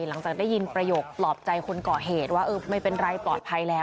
หลังจากได้ยินประโยคปลอบใจคนก่อเหตุว่าเออไม่เป็นไรปลอดภัยแล้ว